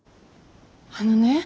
あのね。